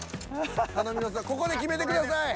頼みの綱ここで決めてください。